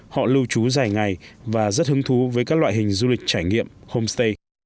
họ lưu trú dài ngày và rất hứng thú với các loại hình du lịch trải nghiệm homestay